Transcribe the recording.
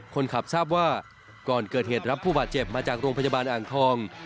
คนขับทราบว่าก่อนเกิดเหตุรับผู้บาดเจ็บมาจากโรงพยาบาลอ่างทอง